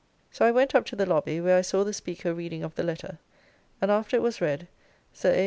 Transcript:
So I went up to the lobby, where I saw the Speaker reading of the letter; and after it was read, Sir A.